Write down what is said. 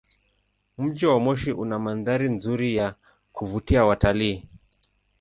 Mji wa Moshi una mandhari nzuri ya kuvutia watalii.